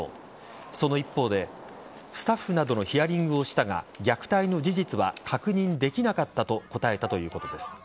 その一方で、スタッフなどのヒアリングをしたが虐待の事実は確認できなかったと答えたということです。